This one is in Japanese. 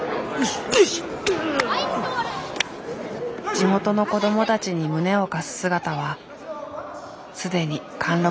地元の子供たちに胸を貸す姿は既に貫禄十分。